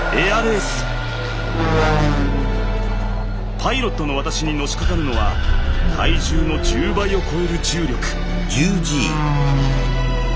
パイロットの私にのしかかるのは体重の１０倍を超える重力。